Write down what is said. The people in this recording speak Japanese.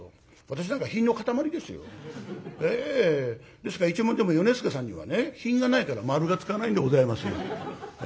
ですから一門でも米助さんにはね品がないから「丸」が付かないんでございますよ。